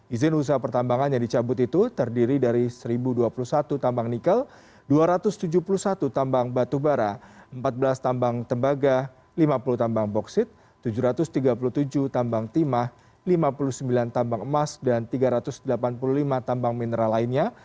izin usaha pertambangan yang dicabut itu terdiri dari satu dua puluh satu tambang nikel dua ratus tujuh puluh satu tambang batubara empat belas tambang tembaga lima puluh tambang boksit tujuh ratus tiga puluh tujuh tambang timah lima puluh sembilan tambang emas dan tiga ratus delapan puluh lima tambang mineral lainnya